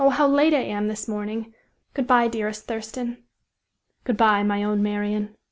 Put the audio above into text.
how late I am this morning! Good by, dearest Thurston!" "Good by, my own Marian."